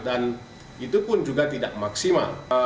dan itu pun juga tidak maksimal